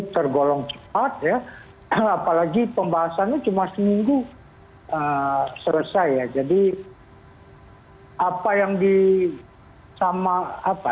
tergolong cepat ya apalagi pembahasannya cuma seminggu selesai ya jadi apa yang di sama apa